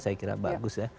saya kira bagus ya